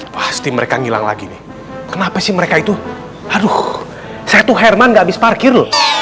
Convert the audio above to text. pasti mereka hilang lagi nih kenapa sih mereka itu aduh satu herman gabis parkir